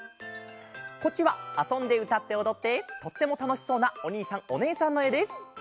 こっちはあそんでうたっておどってとってもたのしそうなおにいさんおねえさんのえです。